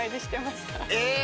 え！